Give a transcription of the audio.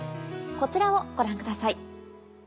こちらをご覧ください。